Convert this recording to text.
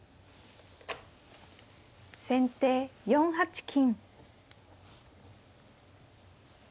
先手４八金。